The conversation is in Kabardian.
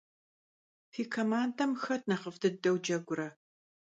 Fi komandem xet nexhıf' dıdeu cegure?